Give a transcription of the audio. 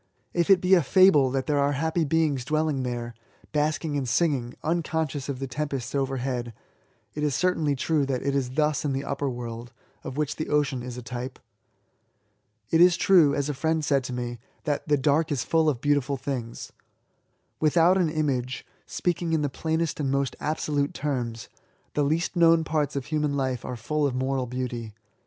If it be a fable that there are happy beings dwelling there, basking and singing, unconscious of the tempests oyerhead, it is certainly true that it is thus in the upper world, of which the ocean is a type. It is true, as a fiiend said to me, that " the dark is ftdl of beautiful things.^' Without an image, speaking in the plainest and most absolute terms, the least known parts of human life are full of moral beauty.